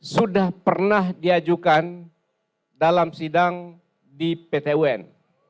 sudah pernah diajukan dalam sidang di pt un